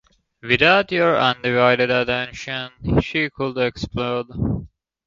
Without your undivided attention she could explode.